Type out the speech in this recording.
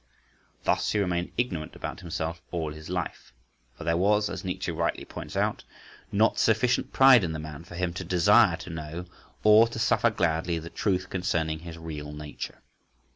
Thus he remained ignorant about himself all his life; for there was, as Nietzsche rightly points out (p. 37, note), not sufficient pride in the man for him to desire to know or to suffer gladly the truth concerning his real nature.